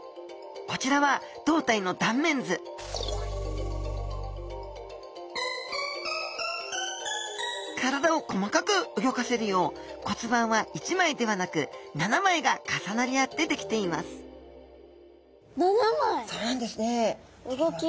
こちらはどうたいの断面図体を細かくうギョかせるよう骨板は１枚ではなく７枚が重なり合って出来ていますそうなんですね。